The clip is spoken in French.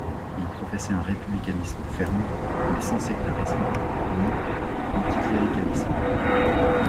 Il professait un républicanisme ferme, mais sans sectarisme ni anticléricalisme.